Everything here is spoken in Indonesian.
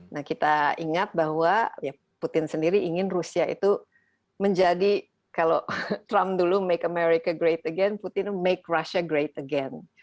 nah kita ingat bahwa putin sendiri ingin rusia itu menjadi kalau trump dulu membuat amerika bagus lagi putin akan membuat rusia bagus lagi